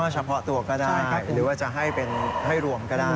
เฉพาะตัวก็ได้หรือว่าจะให้รวมก็ได้